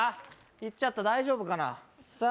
行っちゃった大丈夫かなさあ